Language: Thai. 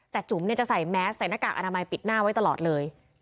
แต่จุ๋มจะใส่แมสใส่หน้ากากอนามัยปิดหน้าไว้ตลอดเลย